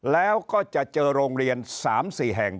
แล้วก็จะเจอโรงเรียน๓๔แห่ง